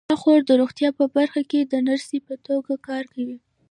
زما خور د روغتیا په برخه کې د نرسۍ په توګه کار کوي